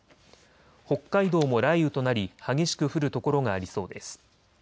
北海道も雷雨となり激しく降る所がありそうです。